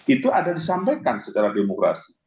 itu ada disampaikan secara demokrasi